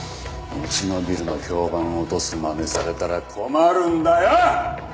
うちのビルの評判を落とすまねされたら困るんだよ！